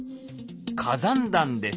火山弾です。